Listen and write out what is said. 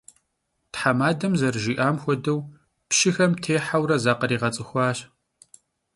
Themadem zerıjji'am xuedeu, pşı'exem têheure zakhriğets'ıxuaş.